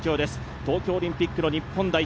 東京オリンピックの日本代表。